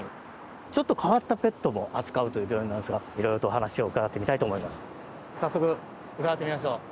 ちょっと変わったペットも扱う病院なんですが色々とお話を早速伺ってみましょう。